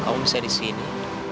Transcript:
kamu bisa disini